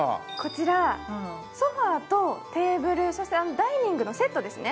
こちらソファーとテーブル、ダイニングのセットですね。